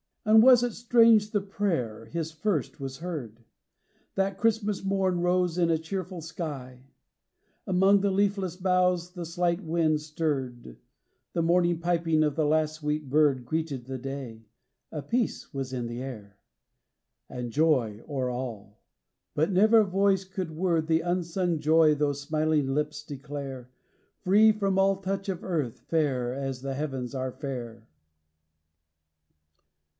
And was it strange the prayer, his first, was heard? That Christmas morn rose in a cheerful sky; Among the leafless boughs the slight wind stirred; The morning piping of the last sweet bird Greeted the day; a peace was in the air, And joy o'er all; but never voice could word The unsung joy those smiling lips declare, Free from all touch of earth, fair as the heavens are fair.